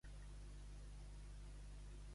Una caterva de.